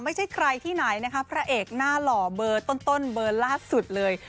ไม่ใช่ใครที่ไหนนะคะพระเอกหน้าหล่อเบอร์ต้นเบอร์ล่าสุดเลย